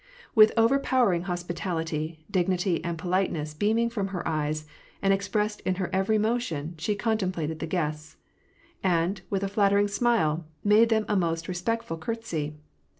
With overpowering hospitality, dignity, and politeness beaming from her eyes, and expressed in her every motion, she contemplated the guests ; and, with a flattering smile, made them a most re spectful courtesy.